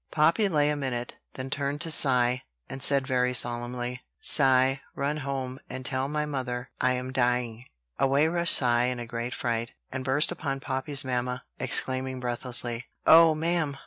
Poppy lay a minute, then turned to Cy, and said very solemnly: "Cy, run home, and tell my mother I'm dying." Away rushed Cy in a great fright, and burst upon Poppy's mamma, exclaiming breathlessly: "O ma'am!